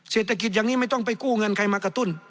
เศรษฐกิจอย่างนี้ไม่ต้องไปกู้เงินใครมากระตุ้น